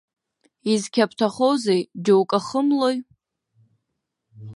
Изқьаԥҭахозеи, џьоукы ахымлои.